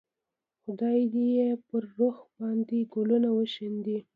خدای دې یې پر روح باندې ګلونه وشیندي.